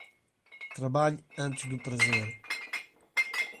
Trabalhe antes do prazer.